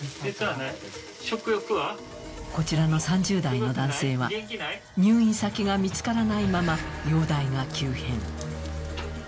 こちらの３０代の男性は、入院先が見つからないまま容体が急変。